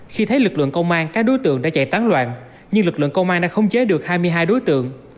khi thấy lực lượng công an các đối tượng đã chạy tán loạn nhưng lực lượng công an đã không chế được hai mươi hai đối tượng